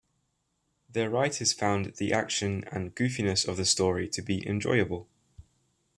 Their writers found the action and goofiness of the story to be enjoyable.